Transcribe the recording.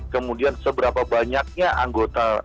kemudian seberapa banyaknya anggota